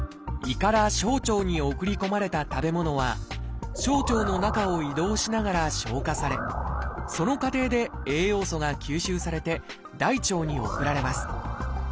胃から小腸に送り込まれた食べ物は小腸の中を移動しながら消化されその過程で栄養素が吸収されて大腸に送られます。